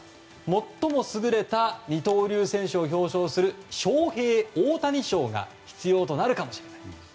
最も優れた二刀流選手を表彰するショウヘイ・オオタニ賞が必要となるかもしれない。